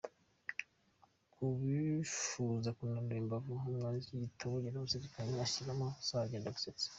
Ku bifuza kunanura imbamvu, umwanditsi w’iki gitabo yarabazirikanye, ashyiramo za byendagusetsa.